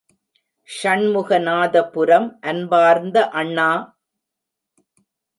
ஷண்முகனாதபுரம் அன்பார்ந்த அண்ணா!